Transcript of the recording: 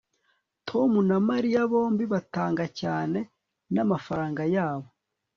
tom na mariya bombi batanga cyane namafaranga yabo